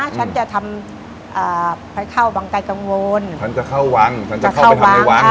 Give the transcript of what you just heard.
ฉันจะทำเอ่อไปเข้าวังไกลกังวลฉันจะเข้าวังฉันจะเข้าไป